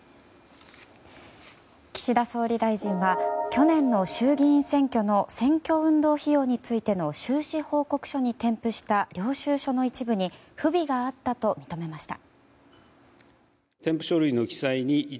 岸田総理大臣は去年の衆議院選挙の選挙運動費用についての収支報告書に添付した領収書の一部に不備があったと認めました。